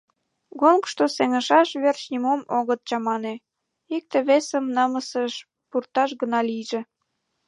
Гонкышто сеҥышаш верч нимом огыт чамане — икте-весым намысыш пурташ гына лийже!